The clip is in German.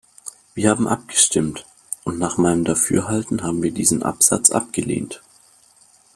Wir haben abgestimmt, und nach meinem Dafürhalten haben wir diesen Absatz abgelehnt.